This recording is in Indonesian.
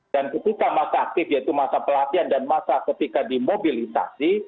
dan ketika masa aktif yaitu masa pelatihan dan masa ketika dimobilisasi